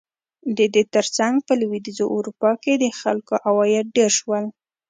د دې ترڅنګ په لوېدیځه اروپا کې د خلکو عواید ډېر شول.